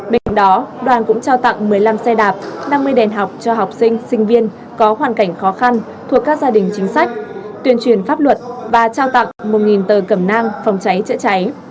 bên đó đoàn cũng trao tặng một mươi năm xe đạp năm mươi đèn học cho học sinh sinh viên có hoàn cảnh khó khăn thuộc các gia đình chính sách tuyên truyền pháp luật và trao tặng một tờ cầm nang phòng cháy chữa cháy